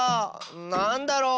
なんだろう？